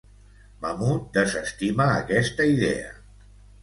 Mamoud desestima aquesta idea.